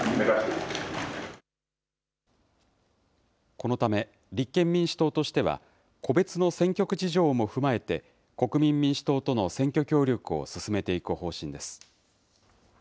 このため、立憲民主党としては、個別の選挙区事情も踏まえて、国民民主党との選挙協力を進めていく方針です。